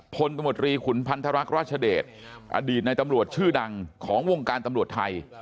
ตมตรีขุนพันธรรคราชเดชอดีตในตำรวจชื่อดังของวงการตำรวจไทย